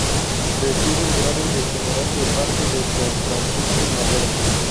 Recibe el grado de general de parte de Don Francisco I. Madero.